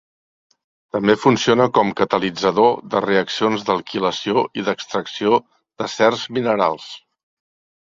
També funciona com catalitzador de reaccions d'alquilació i d'extracció de certs minerals.